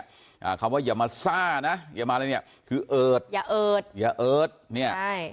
อ่าคำว่าอย่ามาซ่านะอย่ามาอะไรเนี้ยคือเอิดอย่าเอิดอย่าเอิดเนี่ยใช่